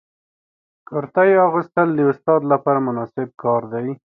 کرتۍ اغوستل د استاد لپاره مناسب کار دی.